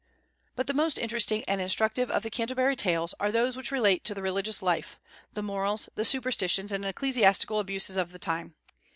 But the most interesting and instructive of the "Canterbury Tales" are those which relate to the religious life, the morals, the superstitions, and ecclesiastical abuses of the times.